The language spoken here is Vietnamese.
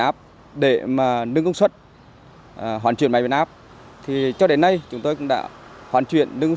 áp để nâng công suất hoàn chuyển máy biến áp cho đến nay chúng tôi cũng đã hoàn chuyển nâng công